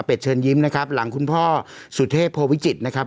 เชิญยิ้มนะครับหลังคุณพ่อสุเทพโพวิจิตรนะครับ